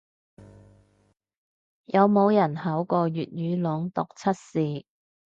有冇人考過粵音朗讀測試